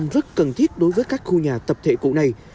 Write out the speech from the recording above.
rất cần thiết đối với các khu nhà tập thể cũ này